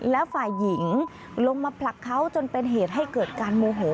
แล้วฝ่ายหญิงลงมาผลักเขาจนเป็นเหตุให้เกิดการโมโห